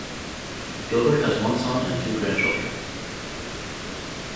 Gilbert has one son and two grandchildren.